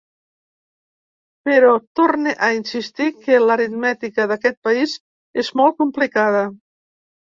Però torne a insistir que l’aritmètica d’aquest país és molt complicada.